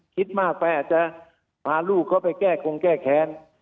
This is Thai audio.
คิดมากไปอาจจะพาลูกเขาไปแก้คงแก้แค้น